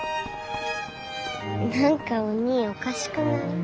何かおにぃおかしくない？